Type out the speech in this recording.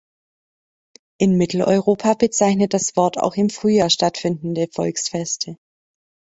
In Mitteleuropa bezeichnet das Wort auch im Frühjahr stattfindende Volksfeste.